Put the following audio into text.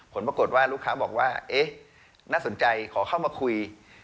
ผลปรากฏว่าลูกค้าบอกว่าเอ๊ะน่าสนใจขอเข้ามาคุย